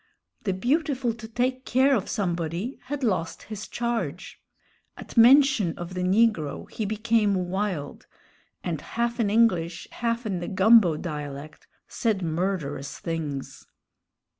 The "beautiful to take care of somebody" had lost his charge. At mention of the negro he became wild, and half in English, half in the "gumbo" dialect, said murderous things.